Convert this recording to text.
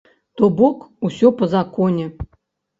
То бок, усё па законе.